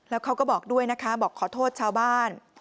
แล้วเขาก็บอกด้วยนะคะบอกขอโทษชาวบ้าน